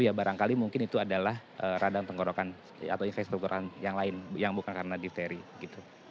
ya barangkali mungkin itu adalah radang tenggorokan atau infrastruktur yang lain yang bukan karena difteri gitu